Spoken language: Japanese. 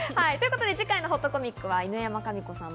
次回のほっとコミックは犬山紙子さん